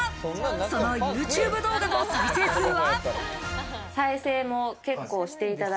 そのＹｏｕＴｕｂｅ動画の再生数は。